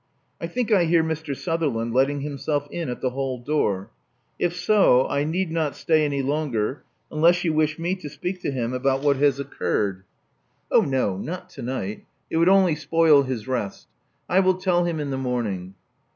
I think I hear Mr. Sutherland letting himself in at the hall door. If so, I need not stay any longer, unless you wish me to speak to him about what has occurred. '' 52 Love Among the Artists Oh no, not to night: it would only spoil his rest. I will tell him in the morning."